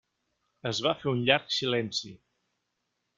Es va fer un llarg silenci.